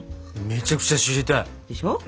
めちゃくちゃ知りたい。でしょ？